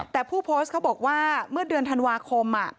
แต่ผู้โพสต์เขาบอกว่าเมื่อเดือนธันวาคม